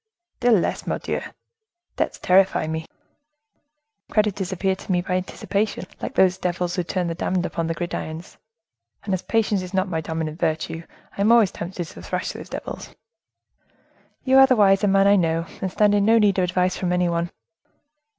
"Still less, Mordioux! Debts terrify me. Creditors appear to me, by anticipation, like those devils who turn the damned upon the gridirons, and as patience is not my dominant virtue, I am always tempted to thrash those devils." "You are the wisest man I know, and stand in no need of advice from any one.